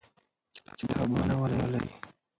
کتابونه ولولئ.